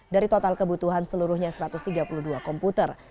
dari total kebutuhan seluruhnya satu ratus tiga puluh dua komputer